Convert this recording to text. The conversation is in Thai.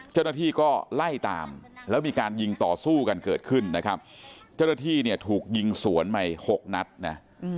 เจ้าหน้าที่ก็ไล่ตามแล้วมีการยิงต่อสู้กันเกิดขึ้นนะครับเจ้าหน้าที่เนี่ยถูกยิงสวนไปหกนัดนะ